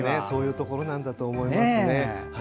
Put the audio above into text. そういうところなんだと思いますね。